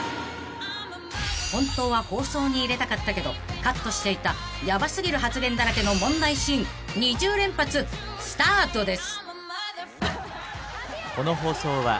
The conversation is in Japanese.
［本当は放送に入れたかったけどカットしていたヤバ過ぎる発言だらけの問題シーン２０連発スタートです］